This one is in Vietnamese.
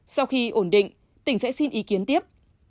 sau khi ổn định tỉnh sẽ xin ý kiến tiếp